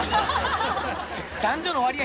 男女の割合